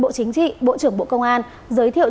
bộ chính trị bộ trưởng bộ công an giới thiệu